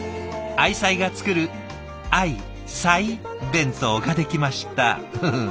愛妻が作る「愛菜弁当」が出来ましたフフ。